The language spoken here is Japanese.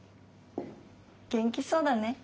元気そうだね。